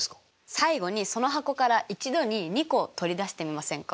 最後にその箱から一度に２個取り出してみませんか？